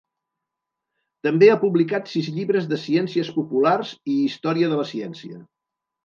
També ha publicat sis llibres de ciències populars i història de la ciència.